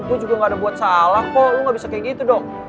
gue juga gak ada buat salah kok lo gak bisa kayak gitu dong